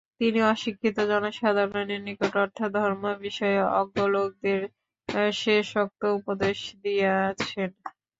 তিনি অশিক্ষিত জনসাধারণের নিকট অর্থাৎ ধর্মবিষয়ে অজ্ঞ লোকদের শেষোক্ত উপদেশ দিয়াছেন।